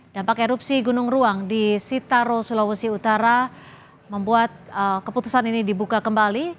dampak erupsi gunung ruang di sitaro sulawesi utara membuat keputusan ini dibuka kembali